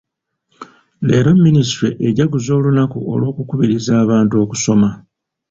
Leero minisitule ejaguza olunaku olw'okukubiriza abantu okusoma.